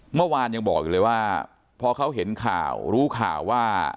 เมื่อวานยังบอกอยู่เลยว่าพอเขาเห็นข่าวรู้ข่าวว่า